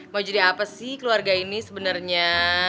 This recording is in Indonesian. mau jadi apa sih keluarga ini sebenarnya